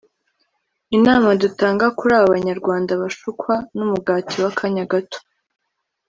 Inama dutanga kuri aba banyarwanda bashukwa n’umugati w’akanya gato